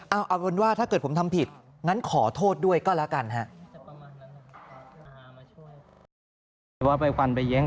เอาเป็นว่าถ้าเกิดผมทำผิดงั้นขอโทษด้วยก็แล้วกันฮะ